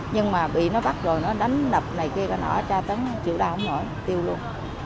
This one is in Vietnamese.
nhưng mà bị nó bắt rồi nó đánh đập này kia nó tra tấn chịu đau không nổi tiêu luôn